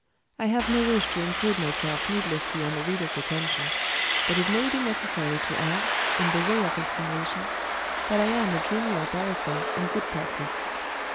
I have no wish to intrude myself needlessly on the reader's attention; but it may be necessary to add, in the way of explanation, that I am a "junior" barrister in good practice.